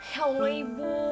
ya allah ibu